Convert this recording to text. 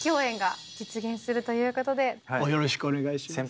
およろしくお願いします。